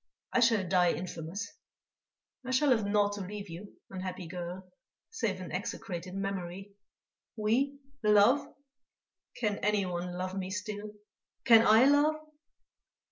I shall die infamous; I shall have naught to leave you, unhappy girl, save an execrated memory.... We, love? Can anyone love me still?... Can I love?"